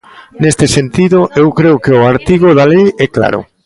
Neste sentido, eu creo que o artigo da lei é claro.